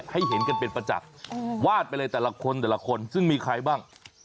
ให้เห็นกันเป็นประจักษ์วาดไปเลยแต่ละคนแต่ละคนซึ่งมีใครบ้าง